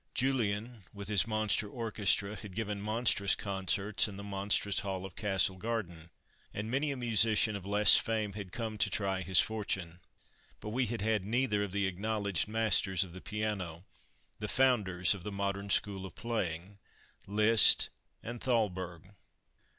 Jullien, with his monster orchestra, had given monstrous concerts in the monstrous hall of Castle Garden, and many a musician of less fame had come to try his fortune. But we had had neither of the acknowledged masters of the piano, the founders of the modern school of playing Liszt and Thalberg.